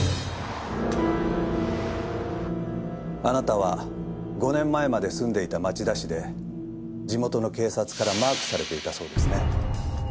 あなたは５年前まで住んでいた町田市で地元の警察からマークされていたそうですね。